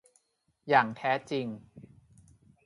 อย่างแท้จริง